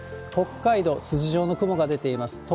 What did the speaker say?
北海道、筋状の雲が出ています。